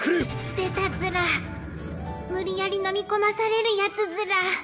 出たズラ無理やり飲み込まされるやつズラ